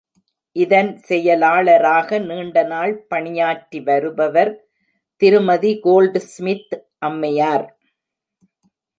இதன் செயலாளராக நீண்டநாள் பணியாற்றிவருபவர் திருமதி கோல்டுஸ்மித் அம்மையார்.